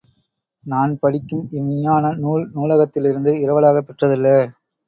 நான் படிக்கும் இவ்விஞ்ஞான நூல் நூலகத்திலிருந்து இரவலாகப் பெற்றதல்ல.